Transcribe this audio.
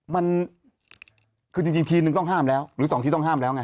มันคือจริงทีนึงต้องห้ามแล้วหรือสองทีต้องห้ามแล้วไง